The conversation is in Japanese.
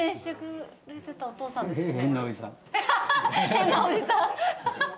変なおじさん。